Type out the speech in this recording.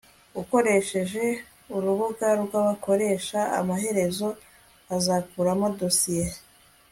ukoresheje urubuga rwabakoresha Amaherezo uzakuramo dosiye